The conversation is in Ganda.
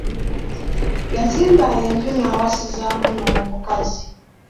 Yazimba enju n'awasizaamu n'omukazi.